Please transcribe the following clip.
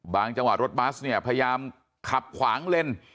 จังหวะรถบัสเนี่ยพยายามขับขวางเลน